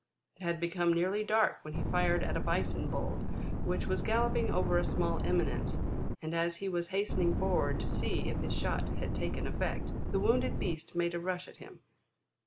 It had become nearly dark when he fired at a Bison bull which was galloping over a small eminence, and as he was hastening forward to see if his shot had taken effect, the wounded beast made a rush at him.